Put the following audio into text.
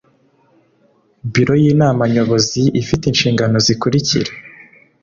biro y inama nyobozi ifite inshingano zikurikira